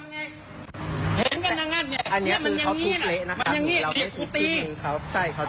ดูคลิปกันก่อนนะครับแล้วเดี๋ยวมาเล่าให้ฟังนะครับ